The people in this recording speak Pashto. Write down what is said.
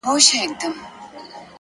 د زړه سکون له رښتیا سره مل وي!.